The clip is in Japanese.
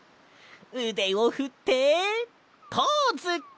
うでをふってポーズ！